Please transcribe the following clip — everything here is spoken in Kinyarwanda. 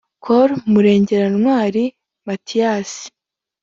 Col Murengerantwari Mathias